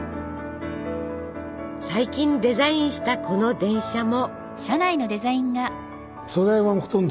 最近デザインしたこの電車も。